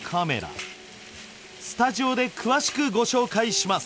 スタジオで詳しくご紹介します！